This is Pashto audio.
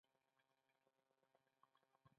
د ډبرو او ودانیو په بڼه ښکاري.